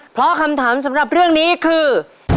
เพราะคำถามสำหรับเรื่องนี้คือ